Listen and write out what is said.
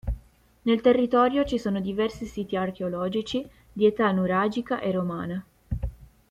Nel territorio ci sono diversi siti archeologici di età nuragica e romana.